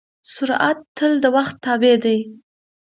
سرعت تل د وخت تابع دی.